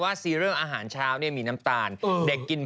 โอ้ยอีบ้าฉันจะเป็นเผาอะไรล่ะ